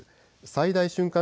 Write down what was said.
最大瞬間